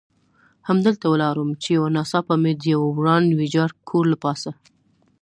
همدلته ولاړ وم، چې یو ناڅاپه مې د یوه وران ویجاړ کور له پاسه.